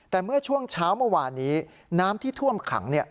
แต่เมื่อช่วงเช้าเมื่อวานนี้น้ำที่ท่วมขัง